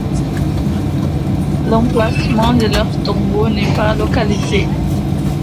L'emplacement de leur tombeau n'est pas localisé.